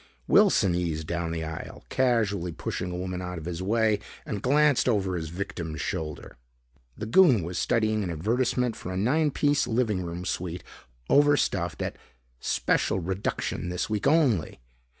Wilson eased down the aisle, casually pushing a woman out of his way, and glanced over his victim's shoulder. The goon was studying an advertisement for a nine piece living room suite, overstuffed, at "special reduction this week only."